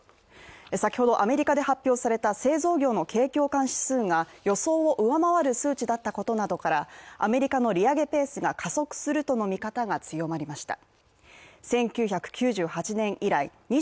先ほどアメリカで発表された製造業の景況感指数が予想を上回る数値だったことなどからアメリカの利上げペースが加速するとの見方が強まりました。